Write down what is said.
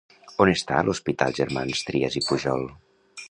On està l'Hospital Germans Trias i Pujol?